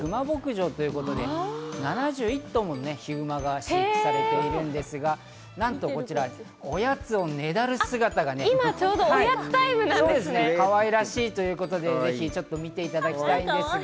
クマ牧場ということで７１頭のヒグマが飼育されているんですが、なんとこちら、おやつをねだる姿がかわいらしいということで見ていただきたいんですが。